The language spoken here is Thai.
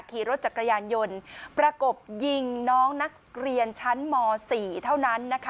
ขี่รถจักรยานยนต์ประกบยิงน้องนักเรียนชั้นม๔เท่านั้นนะคะ